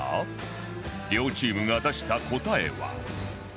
両チームが出した答えは